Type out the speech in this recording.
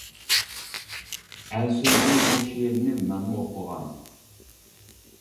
ئەل سۆيگەن. ئۇ شېئىرنى مەنمۇ ئوقۇغان.